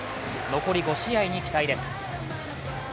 残り５試合に期待です。